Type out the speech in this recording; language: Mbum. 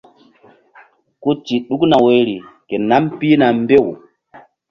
Ku ti ɗukna woyri ke nam pihna mbew.